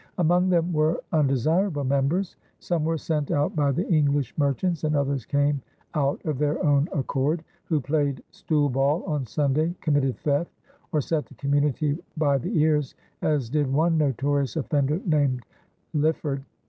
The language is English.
Among them were undesirable members some were sent out by the English merchants and others came out of their own accord who played stool ball on Sunday, committed theft, or set the community by the ears, as did one notorious offender named Lyford.